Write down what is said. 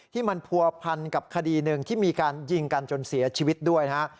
ที่มันผัวพันกับคดีหนึ่งที่มีการยิงกันจนเสียชีวิตด้วยนะฮะ